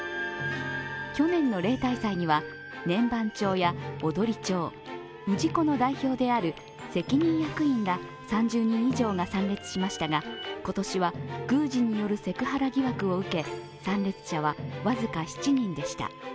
去年の例大祭には年番町や踊町、氏子の代表である責任役員ら３０人以上が参列しましたが、今年は宮司によるセクハラ疑惑を受け、参列者は僅か７人でした。